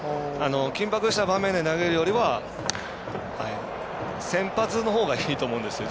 緊迫した場面で投げるよりは先発のほうがいいと思うんですよ